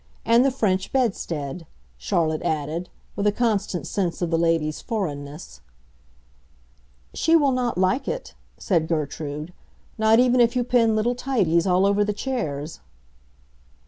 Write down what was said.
And the French bedstead," Charlotte added, with a constant sense of the lady's foreignness. "She will not like it," said Gertrude; "not even if you pin little tidies all over the chairs."